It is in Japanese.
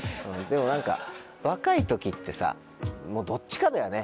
でも何か若い時ってどっちかだよね。